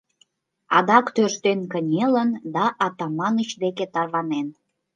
Адак тӧрштен кынелын да Атаманыч деке тарванен.